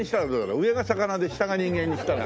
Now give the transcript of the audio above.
上が魚で下が人間にしたら。